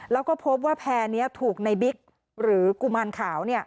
แล้วก็พบว่าแพร่นี้ถูกในบิ๊กหรือกุมารขาว